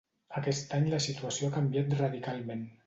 Aquest any la situació ha canviat radicalment.